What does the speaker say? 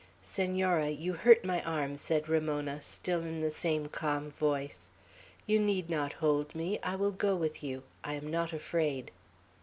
"Senora, you hurt my arm," said Ramona, still in the same calm voice. "You need not hold me. I will go with you. I am not afraid."